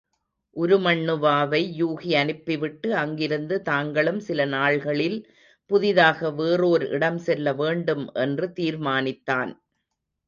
உருமண்ணுவாவை யூகி அனுப்பிவிட்டு, அங்கிருந்து தாங்களும் சில நாள்களில் புதிதாக வேறோர் இடம் செல்ல வேண்டும் என்று தீர்மானித்தான்.